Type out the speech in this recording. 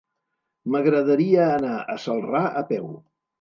M'agradaria anar a Celrà a peu.